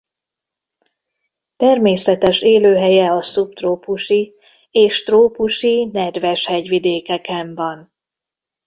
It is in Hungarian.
Természetes élőhelye a szubtrópusi és trópusi nedves hegyvidékeken van.